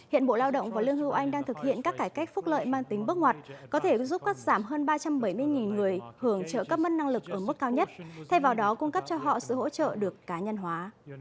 hơn ba trăm bảy mươi người hưởng trợ cấp mất năng lực ở mức cao nhất thay vào đó cung cấp cho họ sự hỗ trợ được cá nhân hóa